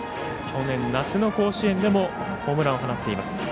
去年夏の甲子園でもホームランを放っています。